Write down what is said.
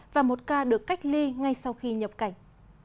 và một ca được cách ly ngay sau khi nhập cảnh